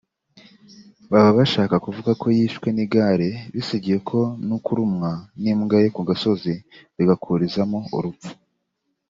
Baba bashaka kuvuga ko yishwe n’igare bisigiye no kurumwa n’imbwa yo ku gasozi bigakurizamo urupfu